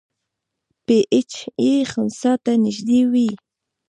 پی ایچ یې خنثی ته نږدې وي.